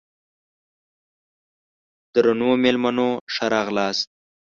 درنو مېلمنو ښه راغلاست!